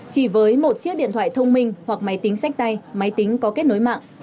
chỉ với một chiếc điện thoại thông minh hoặc máy tính sách tay máy tính có kết nối mạng